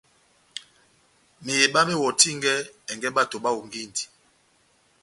Meheba mewɔtingɛni ɛngɛ bato bahongindi.